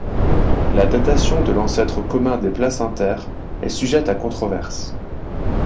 La datation de l'ancêtre commun des placentaires est sujette à controverse.